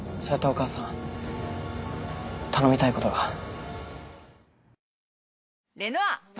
それとお母さん頼みたいことが。